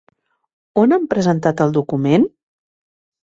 On han presentat el document?